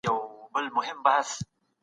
حق پالونکي تل په سوله کي ژوند کوی.